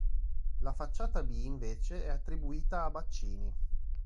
La facciata B invece è attribuita a Baccini.